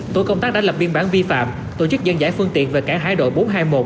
tổ công tác đã lập biên bản vi phạm tổ chức dân giải phương tiện về cảng hải đội bốn trăm hai mươi một